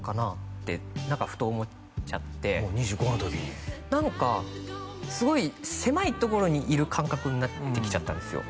って何かふと思っちゃってもう２５の時に何かすごい狭い所にいる感覚になってきちゃったんですよ